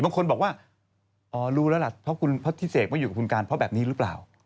บางคนบอกว่าอ๋อรู้แล้วล่ะเพราะคุณพระทิเสกไม่อยู่กับคุณการเพราะแบบนี้หรือเปล่า